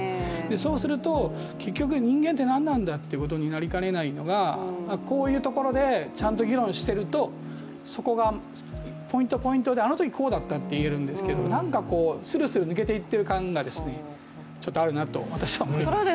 そうすると、結局人間って何なんだということになりかねないのがこういうところでちゃんと議論しているとそこがポイント、ポイントであのときこうだったって言えるんですけどなんかするする抜けていっている感がちょっとあるなと私は思います。